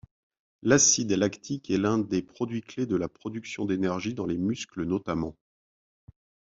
L'acide lactique est l'un des produits-clés de la production d'énergie dans les muscles notamment.